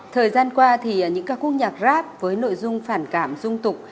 thời gian qua thì những các cuốc nhạc rap với nội dung phản cảm dung tục